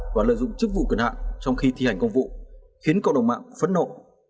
và lợi dụng chức vụ cần hạn trong khi thi hành công vụ khiến cộng đồng mạng phấn nộ